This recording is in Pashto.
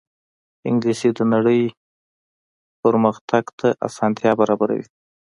انګلیسي د نړۍ پرمخ تګ ته اسانتیا برابروي